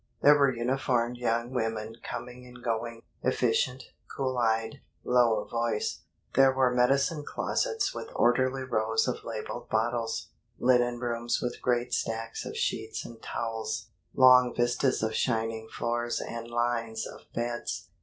There were uniformed young women coming and going, efficient, cool eyed, low of voice. There were medicine closets with orderly rows of labeled bottles, linen rooms with great stacks of sheets and towels, long vistas of shining floors and lines of beds.